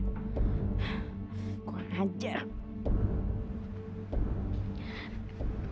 aku tak tahu